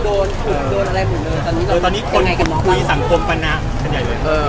ตอนนี้คนคุยสังคมกันนะเป็นอย่างยังไง